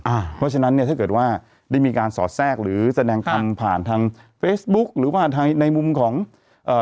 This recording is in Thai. อ่าเพราะฉะนั้นเนี่ยถ้าเกิดว่าได้มีการสอดแทรกหรือแสดงธรรมผ่านทางเฟซบุ๊คหรือผ่านทางในมุมของเอ่อ